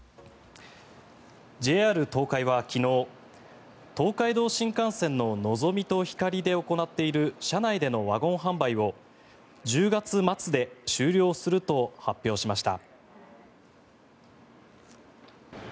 ＪＲ東海は昨日東海道新幹線ののぞみとひかりで行っている車内でのワゴン販売を１０月末で終了すると発表しました。